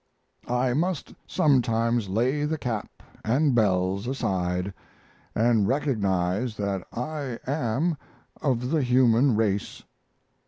I must sometimes lay the cap and bells aside and recognize that I am of the human race.